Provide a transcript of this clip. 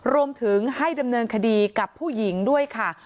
รวมถึงให้ดำเนินคดีกับผู้หญิงด้วยค่ะ